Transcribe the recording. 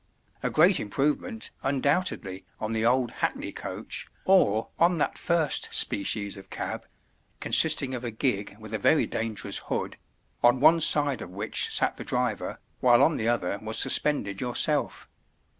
A great improvement, undoubtedly, on the old Hackney coach, or on that first species of cab—consisting of a gig with a very dangerous hood—on one side of which sat the driver, while on the other was suspended yourself.